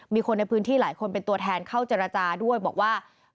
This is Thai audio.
มีคนในพื้นที่หลายคนเป็นตัวแทนเข้าเจรจาด้วยบอกว่า